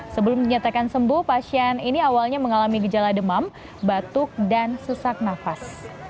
sebelum dinyatakan sembuh pasien ini awalnya mengalami gejala demam batuk dan sesak nafas